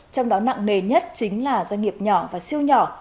trong đó nặng nề nhất chính là doanh nghiệp nhỏ và siêu nhỏ